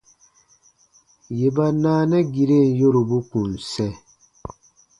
Yè ba naagiren yorubu kùn sɛ̃.